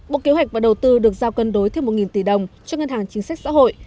bộ kế hoạch và đầu tư được giao cân đối thêm một tỷ đồng cho ngân hàng chính sách xã hội